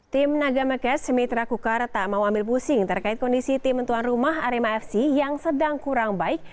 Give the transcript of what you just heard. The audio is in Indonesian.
tim naga mekes mitra kukar tak mau ambil pusing terkait kondisi tim tuan rumah arema fc yang sedang kurang baik